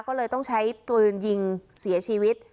ก็เลยต้องใช้ปืนยิงเสียชีวิต